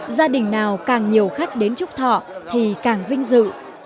gia đình nào càng nhiều khách đến trúc thọ thì càng vinh dự